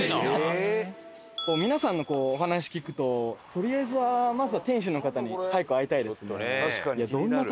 皆さんのお話聞くととりあえずまずは店主の方に早く会いたいですね。